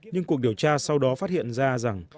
nhưng cuộc điều tra sau đó phát hiện ra rằng